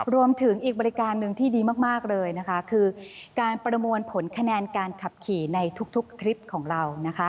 รวมถึงอีกบริการหนึ่งที่ดีมากเลยนะคะคือการประมวลผลคะแนนการขับขี่ในทุกทริปของเรานะคะ